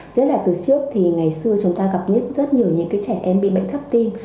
với lại từ trước thì ngày xưa chúng ta gặp rất nhiều những cái trẻ em bị bệnh thấp tim